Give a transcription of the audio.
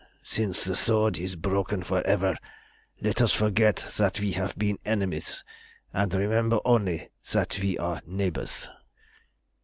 Since the sword is broken for ever, let us forget that we have been enemies, and remember only that we are neighbours."